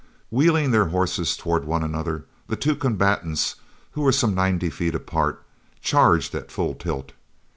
Wheeling their horses toward one another, the two combatants, who were some ninety feet apart, charged at full tilt.